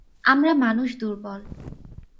আমরা মানুষ দুর্বল।